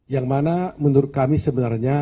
yang mana menurut kami sebenarnya